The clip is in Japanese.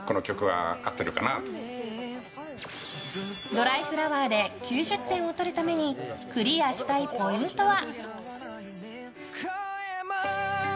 「ドライフラワー」で９０点を取るためにクリアしたいポイントは。